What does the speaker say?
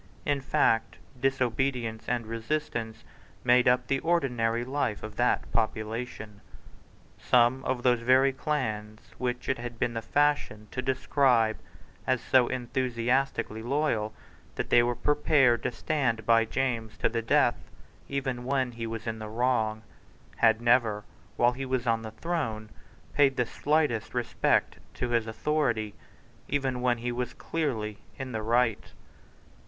In fact disobedience and resistance made up the ordinary life of that population. Some of those very clans which it has been the fashion to describe as so enthusiastically loyal that they were prepared to stand by James to the death, even when he was in the wrong, had never, while he was on the throne, paid the smallest respect to his authority, even when he was clearly in the right.